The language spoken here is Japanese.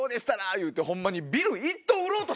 言うてホンマに。